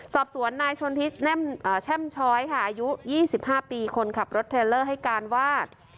สอบสวนนายชนทิศแช่มช้อยค่ะอายุ๒๕ปีคนขับรถเทรลเลอร์ให้การว่า